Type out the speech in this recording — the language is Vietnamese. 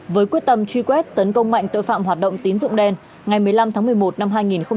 với quyết tâm truy quét tấn công mạnh tội phạm hoạt động tín dụng đen ngày một mươi năm tháng một mươi một năm hai nghìn hai mươi